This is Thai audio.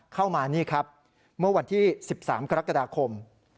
เข้ามานี่ครับเมื่อวันที่๑๓กรกฎาคม